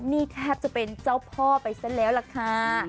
นี่แทบจะเป็นเจ้าพ่อไปซะแล้วล่ะค่ะ